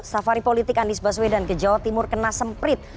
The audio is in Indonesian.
safari politik anies baswedan ke jawa timur kena semprit